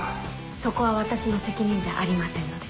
そこは私の責任じゃありませんので。